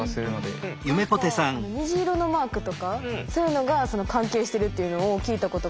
何か虹色のマークとかそういうのが関係してるっていうのを聞いたことがあって。